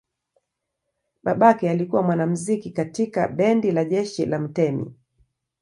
Babake alikuwa mwanamuziki katika bendi la jeshi la mtemi.